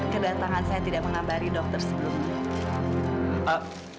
kedatangan saya tidak mengambari dokter sebelumnya